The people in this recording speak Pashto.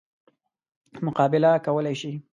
مقابله کولای شي.